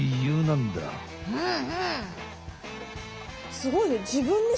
すごいね。